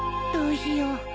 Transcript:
どうしよう。